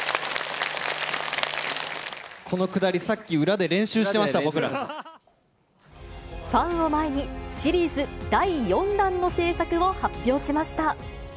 このくだり、さっき、裏で練ファンを前に、シリーズ第４弾の製作を発表しました。